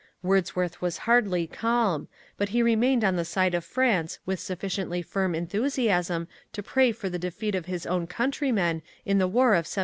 Wordsworth was hardly calm, but he remained on the side of France with sufficiently firm enthusiasm to pray for the defeat of his own countrymen in the war of 1793.